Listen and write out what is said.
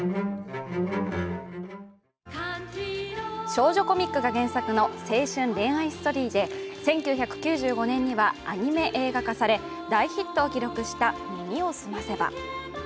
少女コミックが原作の青春ストーリーで１９９５年にはアニメ映画化され大ヒットを記録した「耳をすませば」。